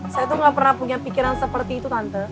saya tuh gak pernah punya pikiran seperti itu tante